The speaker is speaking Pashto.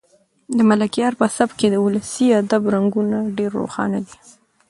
د ملکیار په سبک کې د ولسي ادب رنګونه ډېر روښانه دي.